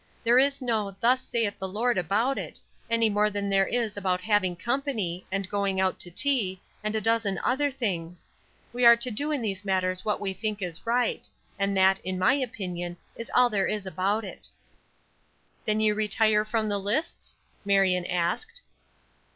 There is no 'thus saith the Lord' about it, any more than there is about having company, and going out to tea, and a dozen other things. We are to do in these matters what we think is right; and that, in my opinion, is all there is about it." "Then you retire from the lists?" Marion asked.